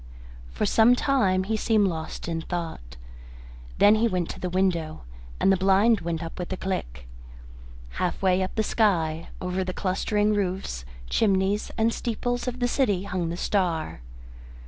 For some time he seemed lost in thought. Then he went to the window, and the blind went up with a click. Half way up the sky, over the clustering roofs, chimneys, and steeples of the city, hung the star.